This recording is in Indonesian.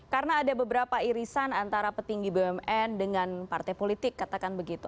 karena ada beberapa irisan antara petinggi bumn dengan partai politik katakan begitu